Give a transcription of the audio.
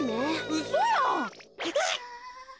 うそやん。